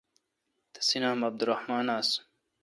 تسے°نام عبدالرحمان آس